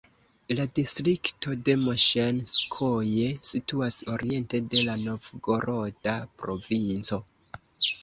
La distrikto de Moŝenskoje situas oriente de la Novgoroda provinco.